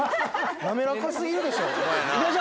滑らかすぎるでしょ。